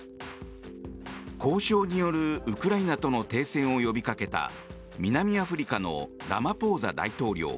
交渉によるウクライナとの停戦を呼びかけた南アフリカのラマポーザ大統領。